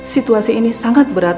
situasi ini sangat berat